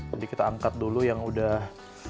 nanti kita angkat dulu yang udah